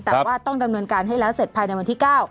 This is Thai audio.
แต่ว่าต้องดำเนินการให้แล้วเสร็จภายในวันที่๙